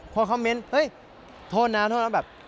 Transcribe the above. พอเขาเมนต์เฮ้ยโทษนะแบบ